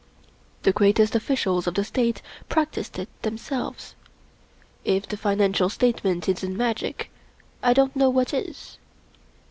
The greatest officials of the State practiced it themselves. (If the Financial Statement isn't magic, I don't know what is.)